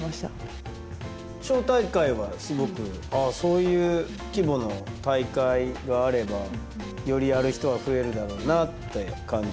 小体会はすごくそういう規模の大会があればよりやる人は増えるだろうなって感じましたね。